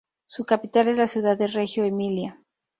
Su capital es la ciudad de Reggio Emilia.